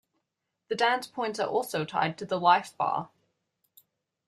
The dance points are also tied to the life bar.